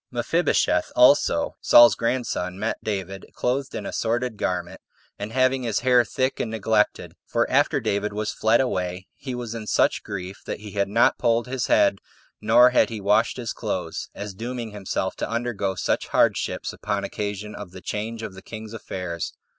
3. Mephibosheth also, Saul's grandson, met David, clothed in a sordid garment, and having his hair thick and neglected; for after David was fled away, he was in such grief that he had not polled his head, nor had he washed his clothes, as dooming himself to undergo such hardships upon occasion of the change of the king's affairs.